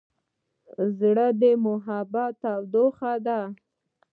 زړه د محبت تودوخه ده.